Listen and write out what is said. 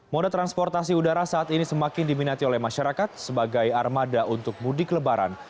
moda transportasi udara saat ini semakin diminati oleh masyarakat sebagai armada untuk mudik lebaran